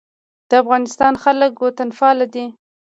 د افغانستان خلک وطنپال دي